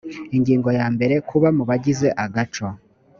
ingingo ya mbere kuba mu bagize agaco